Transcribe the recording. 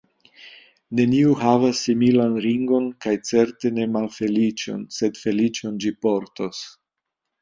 Neniu havas similan ringon kaj certe ne malfeliĉon, sed feliĉon ĝi portos.